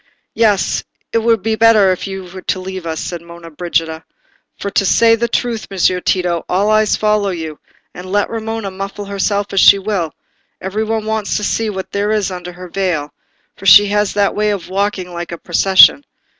"Yes, it were better you should leave us," said Monna Brigida; "for to say the truth, Messer Tito, all eyes follow you, and let Romola muffle herself as she will, every one wants to see what there is under her veil, for she has that way of walking like a procession.